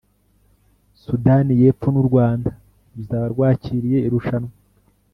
Sudan y’Epfo n’u Rwanda ruzaba rwakiriye irushanwa